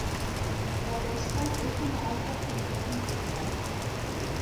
La pesca és una altra activitat important.